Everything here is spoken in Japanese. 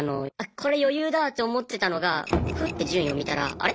これ余裕だって思ってたのがふって順位を見たらあれ？